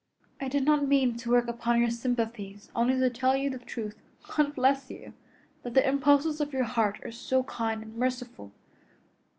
"I did not mean to work upon your sympathies, only to tell you the truth. God bless you! That the impulses of your heart are so kind and merciful.